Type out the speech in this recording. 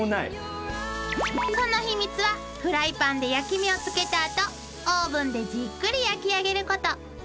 ［その秘密はフライパンで焼き目をつけた後オーブンでじっくり焼き上げること］